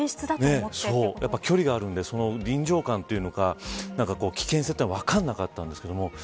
距離があるんで臨場感というか危険性が分からなかったんですけど